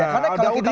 ada audience tuh gitu